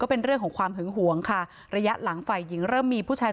เป็นเรื่องของความหึงหวงค่ะระยะหลังฝ่ายหญิงเริ่มมีผู้ชาย